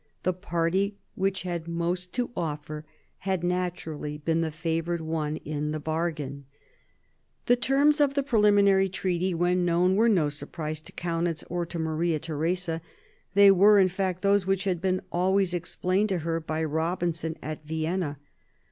The party which had most to offer had naturally been the favoured one in the bargain. 60 MARIA THERESA chap, hi The terms of the preliminary treaty, when known, were no surprise to Kaunitz or to Maria Theresa. They were in fact those which had been always explained to her by Robinson at Vienna.